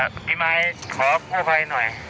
เอออ่ะพี่มายขอพูดภัยหน่อย